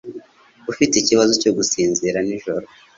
Ufite ikibazo cyo gusinzira nijoro